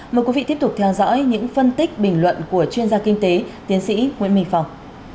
mời quý vị tiếp tục theo dõi những phân tích bình luận của chuyên gia kinh tế tiến sĩ nguyễn minh phong